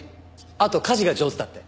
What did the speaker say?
あと家事が上手だって。